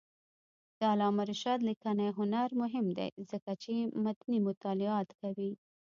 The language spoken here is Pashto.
د علامه رشاد لیکنی هنر مهم دی ځکه چې متني مطالعات کوي.